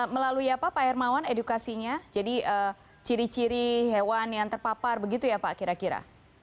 melalui apa pak hermawan edukasinya jadi ciri ciri hewan yang terpapar begitu ya pak kira kira